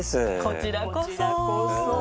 こちらこそ。